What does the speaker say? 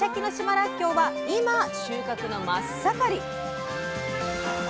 らっきょうは今収穫の真っ盛り。